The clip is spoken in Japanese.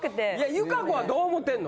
友香子はどう思ってんの？